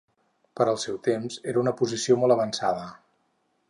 Per al seu temps era una posició molt avançada.